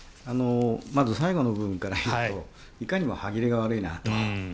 まず最後の部分からいうといかにも歯切れが悪いなと。